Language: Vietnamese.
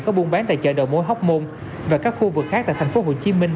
có buôn bán tại chợ đầu mối hóc môn và các khu vực khác tại thành phố hồ chí minh